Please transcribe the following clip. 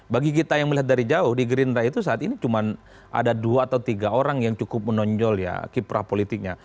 bagi kita yang melihat dari jauh di gerindra itu saat ini cuma ada dua atau tiga orang yang cukup menonjol ya kiprah politiknya